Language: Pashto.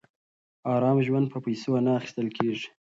ارام ژوند په پیسو نه اخیستل کېږي.